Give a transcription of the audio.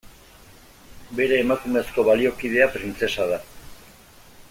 Bere emakumezko baliokidea printzesa da.